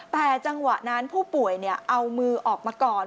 แต่จังหวะนั้นผู้ป่วยเอามือออกมาก่อน